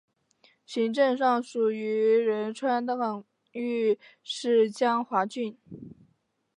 行政上属于仁川广域市江华郡。